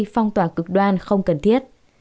phong tỏa cực đoan không cần thiết